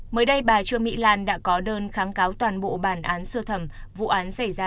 mới đây bà trương mỹ lan đã có đơn kháng cáo toàn bộ bản án sơ thẩm vụ án xảy ra